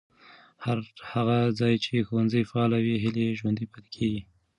هر هغه ځای چې ښوونځي فعال وي، هیلې ژوندۍ پاتې کېږي.